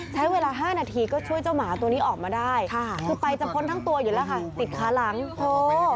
ใช้เวลาห้านาทีก็ช่วยเจ้าหมาตัวนี้ออกมาได้ค่ะคือไปจะพ้นทั้งตัวอยู่แล้วค่ะติดขาหลังโอ้